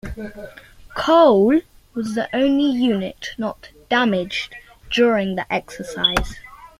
"Cole" was the only unit not 'damaged' during the exercise.